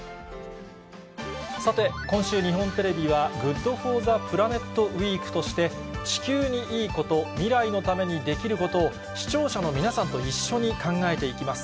さて、今週、日本テレビは、ＧｏｏｄＦｏｒｔｈｅＰｌａｎｅｔウイークとして、地球にいいこと、未来のためにできることを、視聴者の皆さんと一緒に考えていきます。